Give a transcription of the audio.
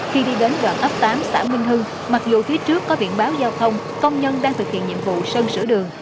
khi đi đến đoạn ấp tám xã minh hưng mặc dù phía trước có biển báo giao thông công nhân đang thực hiện nhiệm vụ sân sửa đường